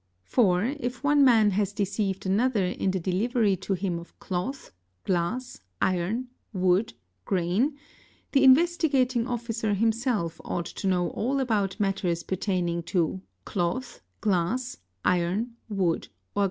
For, if one man has deceived another in the delivery to him of cloth, glass, iron, wood, grain, the Investigating Officer himself — ought to know all about matters pertaining to cloth, glass, iron, wood, or